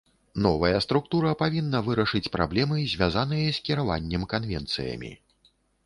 Новая структура павінна вырашыць праблемы, звязаныя з кіраваннем канвенцыямі.